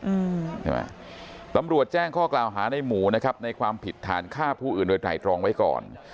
นี่แม้ว่าตำรวจแจ้งข้อกราวฮาุในหมู่นะครับในความผิดทางข้าผู้อื่นไฟดรองไว้ก่อน